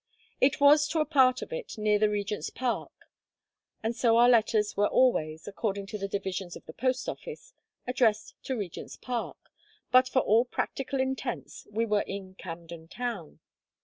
It was to a part of it near the Regent's Park; and so our letters were always, according to the divisions of the post office, addressed to Regent's Park, but for all practical intents we were in Camden Town.